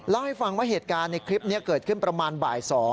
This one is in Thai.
เล่าให้ฟังว่าเหตุการณ์ในคลิปนี้เกิดขึ้นประมาณบ่าย๒